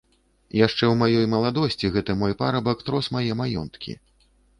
Яшчэ ў маёй маладосці гэты мой парабак трос мае маёнткі.